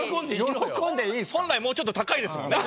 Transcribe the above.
本来もうちょっと高いですもんね